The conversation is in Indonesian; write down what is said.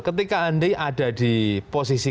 ketika andi ada di posisi